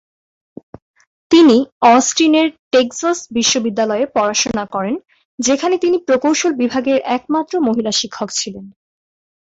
তিনি অস্টিনের টেক্সাস বিশ্ববিদ্যালয়ে পড়াশোনা করেন, যেখানে তিনি প্রকৌশল বিভাগের একমাত্র মহিলা শিক্ষক ছিলেন।